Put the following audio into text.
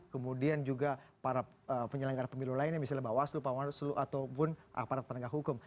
kemudian juga para penyelenggara pemilu lainnya misalnya bawaslu bawaslu ataupun aparat penegak hukum